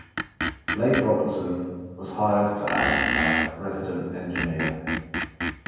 Lake Robertson was hired to act as Resident Engineer.